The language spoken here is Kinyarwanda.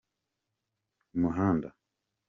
umuhanda.